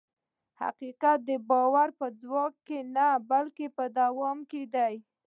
حقیقت د باور په ځواک کې نه، بلکې په دوام کې دی.